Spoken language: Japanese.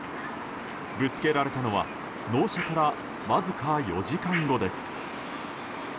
ぶつけられたのは納車から、わずか４時間後です。